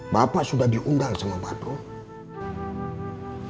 bapak sudah diundang sama pak dron